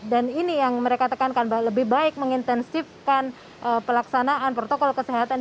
dan ini yang mereka tekankan bahwa lebih baik mengintensifkan pelaksanaan protokol kesehatan